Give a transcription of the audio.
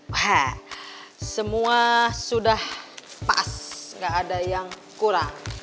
wah semua sudah pas gak ada yang kurang